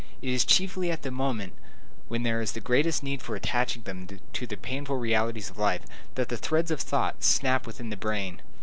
It is chiefly at the moment when there is the greatest need for attaching them to the painful realities of life, that the threads of thought snap within the brain.